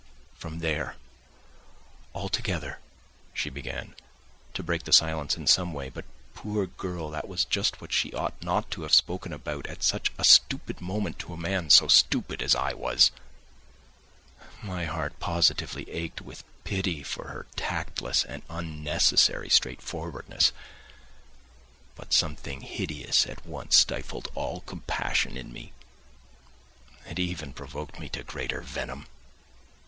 from there altogether," she began, to break the silence in some way, but, poor girl, that was just what she ought not to have spoken about at such a stupid moment to a man so stupid as I was. My heart positively ached with pity for her tactless and unnecessary straightforwardness. But something hideous at once stifled all compassion in me; it even provoked me to greater venom.